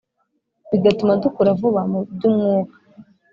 bigatuma dukura vuba mubyumwuka